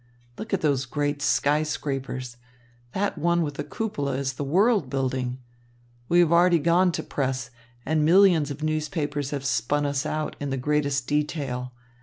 Look at those great skyscrapers, that one with the cupola is the World building. We have already gone to press, and millions of newspapers have spun us out, in the greatest detail.